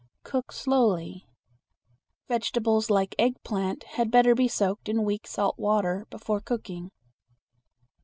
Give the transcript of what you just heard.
Cook slowly. Vegetables like eggplant had better be soaked in weak salt water before cooking.